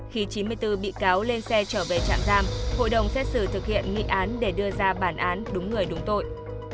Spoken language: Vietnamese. khi chín mươi bốn bị cáo lên xe trở về trạm giam hội đồng xét xử thực hiện nghị án để đưa ra bản án đúng người đúng tội